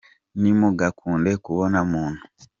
Ntimugakunde kubona muntu